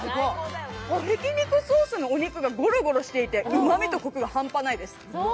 ひき肉ソースのお肉がごろごろしててうまみとコクがハンパないです。